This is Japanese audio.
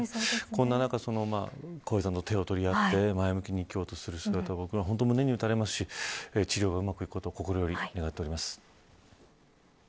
こんな中、こうへいさんと手を取り合って前向きに生きようとする姿僕は本当に胸を打たれますし治療がうまくいくことを心より願っています。